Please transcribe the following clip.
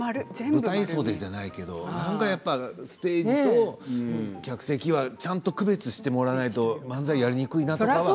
舞台袖じゃないけどステージと客席はちゃんと区別してもらわないと漫才やりにくいなと。